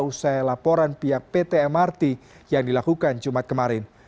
usai laporan pihak pt mrt yang dilakukan jumat kemarin